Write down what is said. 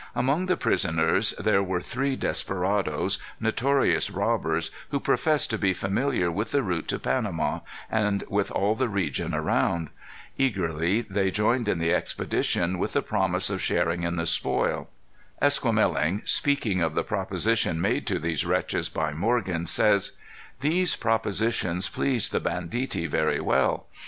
Among the prisoners there were three desperadoes, notorious robbers, who professed to be familiar with the route to Panama, and with all the region around. Eagerly they joined in the expedition with the promise of sharing in the spoil. Esquemeling, speaking of the proposition made to these wretches by Morgan, says: "These propositions pleased the banditti very well.